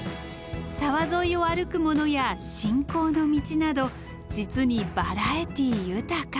沢沿いを歩くものや信仰の道など実にバラエティー豊か。